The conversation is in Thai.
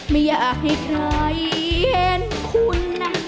ไม่อยากให้ใครเห็นคุณนะ